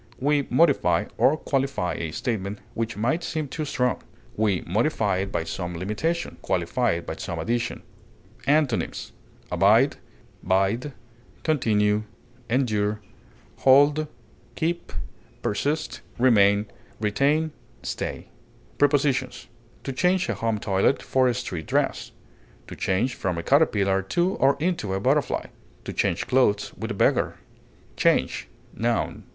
We modify or qualify a statement which might seem too strong; we modify it by some limitation, qualify it by some addition. Antonyms: abide, continue, hold, persist, retain, bide, endure, keep, remain, stay. Prepositions: To change a home toilet for a street dress; to change from a caterpillar to or into a butterfly; to change clothes with a beggar. CHANGE, _n.